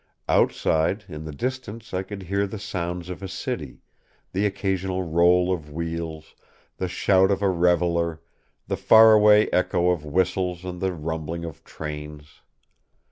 Outside, in the distance I could hear the sounds of a city, the occasional roll of wheels, the shout of a reveller, the far away echo of whistles and the rumbling of trains.